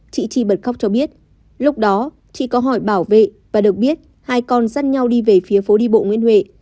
chị chi bật khóc cho biết lúc đó chị có hỏi bảo vệ và được biết hai con dắt nhau đi về phía phố đi bộ nguyễn huệ